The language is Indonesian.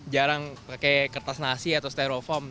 jarang pakai kertas nasi atau sterofoam